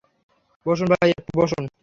বসুন ভাই, একটু বসুন।